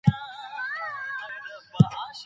منظم عادتونه خوب ښه کوي.